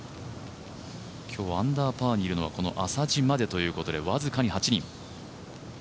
今日、アンダーパーにいるのがこの浅地までということで僅かに８人。